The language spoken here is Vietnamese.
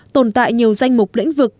tồn tại nhiều danh mục lĩnh vực